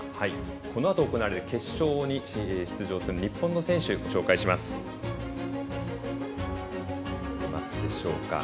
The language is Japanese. このあと行われる決勝に出場する日本の選手、ご紹介します。